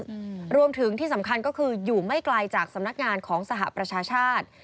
อืมรวมถึงที่สำคัญก็คืออยู่ไม่ไกลจากสำนักงานของสหประชาชาติ